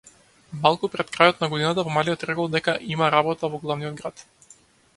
Малку пред крајот на годината помалиот рекол дека има работа во главниот град.